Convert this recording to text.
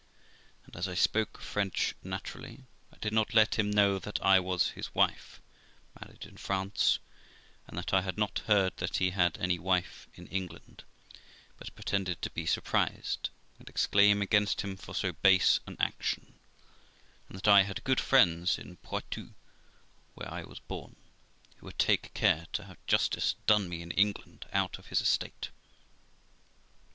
And, as I spoke French naturally, I did not let him know but that I was his wife, married in France, and that I had not heard that he had any wife in England, but pretended to be surprised, and exclaim against him for so base an action; and that I had good friends in Poictou, where I was born, who would take care to have justice done me in England out of his estate.